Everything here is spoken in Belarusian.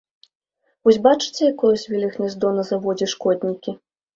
Вось бачыце, якое звілі гняздо на заводзе шкоднікі.